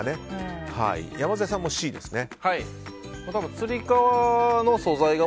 山添さんもＣですね。